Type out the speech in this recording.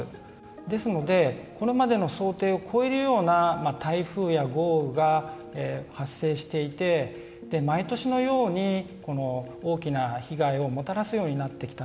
ですので、これまでの想定を超えるような台風や豪雨が発生していて毎年のように大きな被害をもたらすようになってきた。